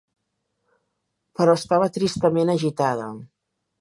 Però estava tristament agitada.